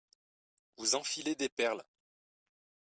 Vous enfilez des perles